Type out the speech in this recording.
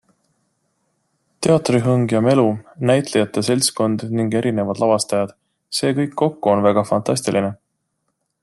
Teatrihõng ja - melu, näitlejate seltskond ning erinevad lavastajad - see kõik kokku on väga fantastiline.